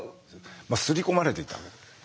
刷り込まれていた。